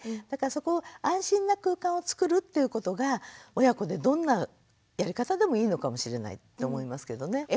だからそこを安心な空間をつくるっていうことが親子でどんなやり方でもいいのかもしれないと思いますけどね。